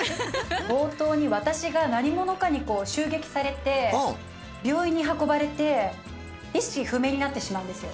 冒頭に私が何者かに襲撃されて病院に運ばれて意識不明になってしまうんですよ。